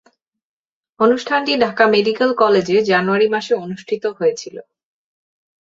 অনুষ্ঠানটি ঢাকা মেডিকেল কলেজে জানুয়ারি মাসে অনুষ্ঠিত হয়েছিলো।